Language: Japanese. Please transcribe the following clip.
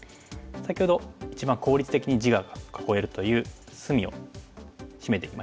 先ほど一番効率的に地が囲えるという隅をシメていきましたね。